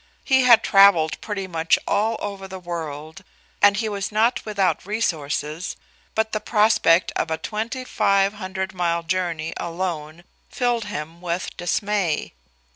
He had traveled pretty much all over the world, and he was not without resources, but the prospect of a twenty five hundred mile journey alone filled him with dismay.